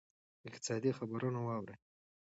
اقتصادي خبرونه واورئ.